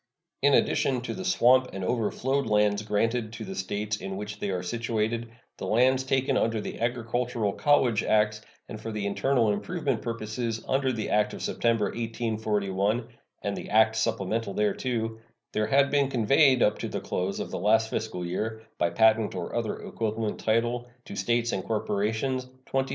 In addition to the swamp and overflowed lands granted to the States in which they are situated, the lands taken under the agricultural college acts and for internal improvement purposes under the act of September, 1841, and the acts supplemental thereto, there had been conveyed up to the close of the last fiscal year, by patent or other equivalent title, to States and corporations 27,836,257.